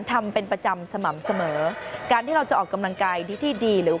ทำเป็นประจำสม่ำเสมอการที่เราจะออกกำลังกายดีที่ดีหรือ